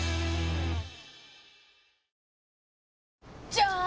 じゃーん！